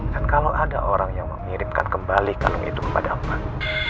kalau ada orang yang mengirimkan kembali kalung itu kepada aman